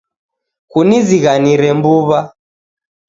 Kunizighanire mbuw'a